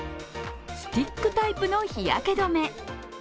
スティックタイプの日焼け止め。